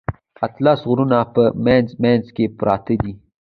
اتلس غرونه په منځ منځ کې پراته دي.